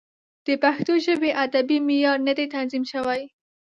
د پښتو ژبې ادبي معیار نه دی تنظیم شوی.